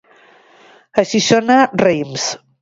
A Xixona, raïms.